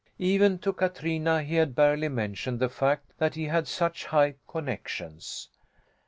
Even to Katrina he had barely mentioned the fact that he had such high connections.